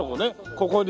ここに。